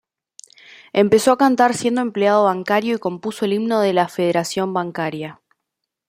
Empezó a cantar siendo empleado bancario y compuso el himno de la Federación Bancaria.